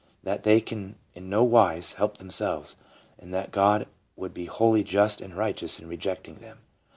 . that they can in no wise help themselves, and that God would be wholly just and righteous in rejecting them